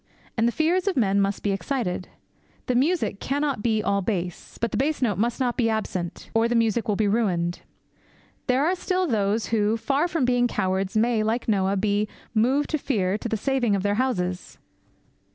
And the fears of men must be excited. The music cannot be all bass; but the bass note must not be absent, or the music will be ruined. There are still those who, far from being cowards, may, like Noah, be 'moved with fear' to the saving of their houses.